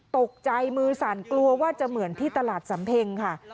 ตกใจมือสั่นกลัวว่าจะเหมือนที่ตลาดสำเพ็งค่ะ